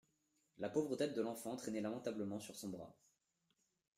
La pauvre tête de l'enfant traînait lamentablement sur son bras.